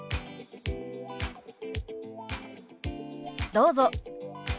どうぞ。